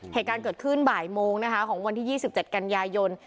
เหตุการณ์เกิดขึ้นบ่ายโมงนะคะของวันที่๒๗กันยายน